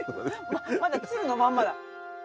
まだツルのまんまだ。